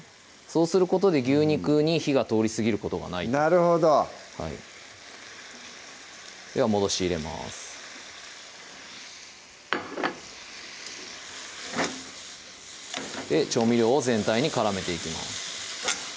そうすることで牛肉に火が通りすぎることがないなるほどはいでは戻し入れます調味料を全体に絡めていきます